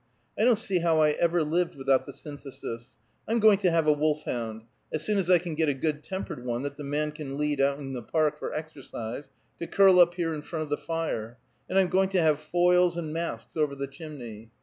I don't see how I ever lived without the Synthesis. I'm going to have a wolf hound as soon as I can get a good tempered one that the man can lead out in the Park for exercise to curl up here in front of the fire; and I'm going to have foils and masks over the chimney.